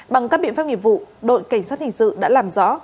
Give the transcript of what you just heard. bằng các biện pháp nghiệp vụ đội cảnh sát hình sự đã làm rõ